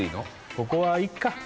ここはいっか？